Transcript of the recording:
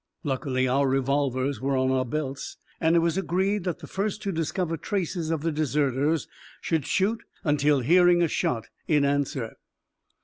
Luckily our revolvers were in our belts, and it was agreed that the first to discover traces of the deserters should shoot until hearing a shot in answer.